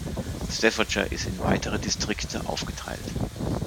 Staffordshire ist in weitere Distrikte aufgeteilt.